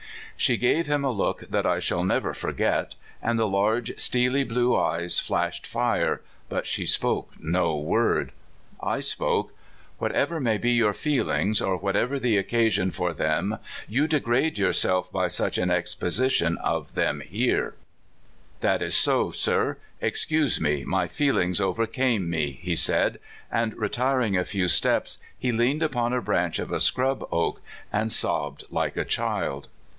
She gave him a look that I shall never forget, and the large steely blue eyes flashed fire, but she spoke no word. I spoke :" Whatever may be your feelings, or whatever the occasion for them, you degrade yourself by such an exhibition of them here." "That is so, sir; excuse me, my feelings over came me," he said, and retiring a few steps, he leaned upon a branch of a scrub oak and sobbed like a child.